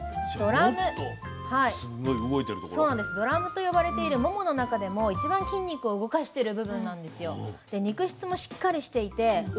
ドラムと呼ばれているモモの中でも一番筋肉を動かしてる部分なんですよ。で肉質もしっかりしていてうまみが強いのが特徴です。